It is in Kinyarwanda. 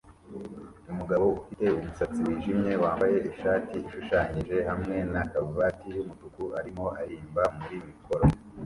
Umugabo ufite umusatsi wijimye wambaye ishati ishushanyije hamwe na karuvati yumutuku arimo aririmba muri mikoro